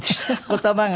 言葉が？